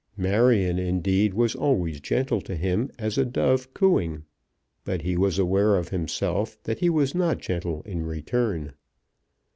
Marion indeed was always gentle to him as a dove cooing; but he was aware of himself that he was not gentle in return.